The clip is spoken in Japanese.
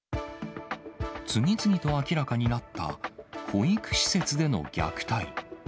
次々と明らかになった、保育施設での虐待。